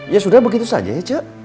ya sudah begitu saja ya cek